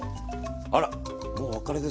あらもうお別れですか。